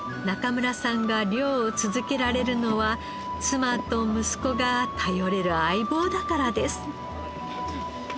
中村さんが漁を続けられるのは妻と息子が頼れる相棒だからです。